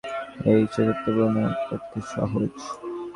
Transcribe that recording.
এই শেষোক্ত প্রাণায়াম পূর্বাপেক্ষা সহজ।